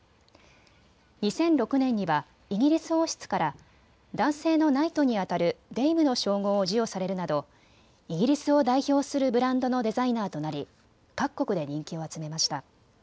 ２００６年にはイギリス王室から男性のナイトにあたるデイムの称号を授与されるなどイギリスを代表するブランドのデザイナーとなり各国で人気を集めました。